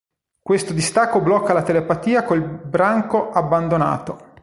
Questo distacco blocca la telepatia con il branco abbandonato.